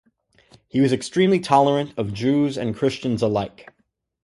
He was extremely tolerant of Jews and Christians alike.